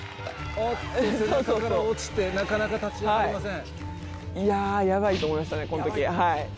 背中から落ちてなかなか立ち上がれません。